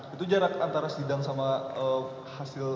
itu jarak antara sidang sama hasil